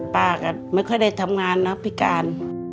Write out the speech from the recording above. ป้าก็ไม่ค่อยได้ทำงานนะพิการ